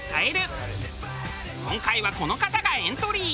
今回はこの方がエントリー。